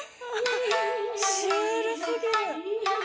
シュールすぎる。